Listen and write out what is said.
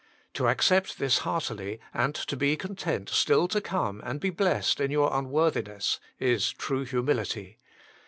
To accept this heartily, and to be content still to come and be blest in your unworthiness, is true humility.